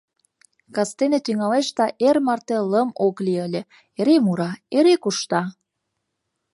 Кастене тӱҥалеш да эр марте лым ок лий ыле: эре мура, эре кушта...